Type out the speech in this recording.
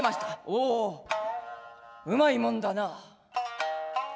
「おおうまいもんだな。